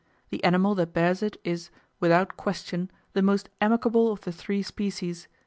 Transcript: The animal that bears it is, without question, the most amicable of the three species.